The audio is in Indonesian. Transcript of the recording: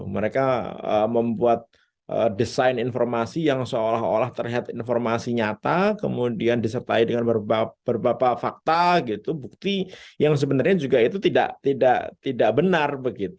mereka membuat desain informasi yang seolah olah terlihat informasi nyata kemudian disertai dengan beberapa fakta bukti yang sebenarnya juga itu tidak benar